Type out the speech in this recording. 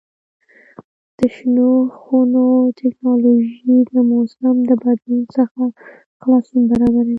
د شنو خونو تکنالوژي د موسم له بدلون څخه خلاصون برابروي.